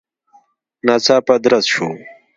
ناڅاپه درز شو.